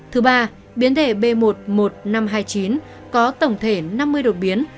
thứ ba biến thể b một một năm trăm hai mươi chín có tổng thể năm mươi đột biến